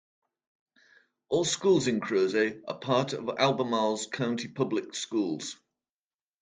All schools in Crozet are part of Albemarle County Public Schools.